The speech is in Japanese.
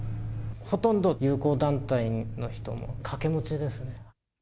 ほとんど友好団体の人は掛け持ちですね。